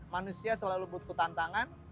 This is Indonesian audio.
manusia selalu butuh tantangan